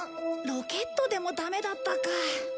ロケットでもダメだったか。